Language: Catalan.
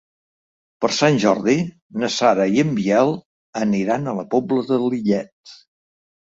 Per Sant Jordi na Sara i en Biel aniran a la Pobla de Lillet.